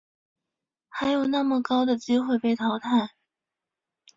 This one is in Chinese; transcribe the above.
还有那么高的机会被淘汰